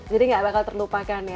jadi gak bakal terlupakan ya